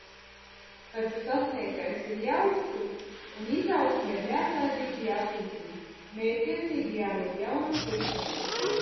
Taču sasniegtais ir jāuztur un izaugsme ir neatlaidīgi jāturpina, mērķtiecīgi jārod jaunas iespējas.